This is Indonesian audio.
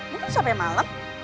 mungkin sampai malem